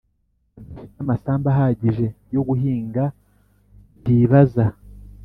badafite amasambu ahagije yo guhinga ntibaza